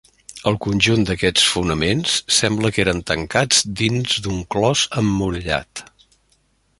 El conjunt d'aquests fonaments sembla que eren tancats dins d'un clos emmurallat.